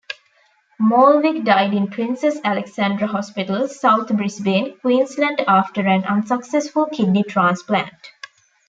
Molvig died in Princess Alexandra Hospital, South Brisbane, Queensland after an unsuccessful kidney transplant.